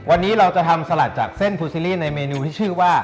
วันนี้เราจะทำสลัดจากเส้นฟูซีรีส์ในเมนูที่ชื่อว่า